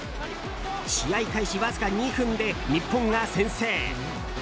試合開始わずか２分で日本が先制。